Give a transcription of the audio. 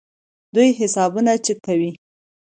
دوی حسابونه چک کوي.